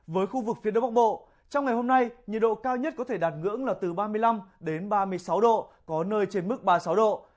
với khu vực phía đông bắc bộ trong ngày hôm nay nhiệt độ cao nhất có thể đạt ngưỡng là từ ba mươi năm đến ba mươi sáu độ có nơi trên mức ba mươi sáu độ